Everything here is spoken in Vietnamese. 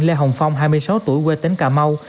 lê hồng phong hai mươi sáu tuổi quê tỉnh cà mau